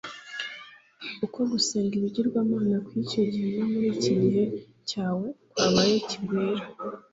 Uko gusenga ibigirwamana kw'icyo gihe no muri iki gihe cyawe kwabaye gikwira.